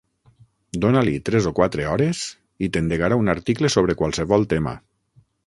Dona-li tres o quatre hores, i t'endegarà un article sobre qualsevol tema.